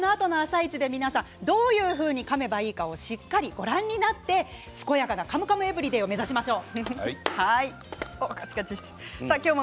ですから、このあとの「あさイチ」で皆さんどういうふうに変えればいいのかをしっかりご覧になって健やかなカムカムエブリデイを目指しましょう。